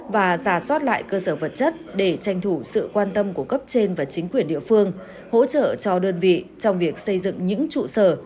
và giả soát lại cơ sở vật chất để tranh thủ sự quan tâm của cấp trên và chính quyền địa phương hỗ trợ cho đơn vị trong việc xây dựng những trụ sở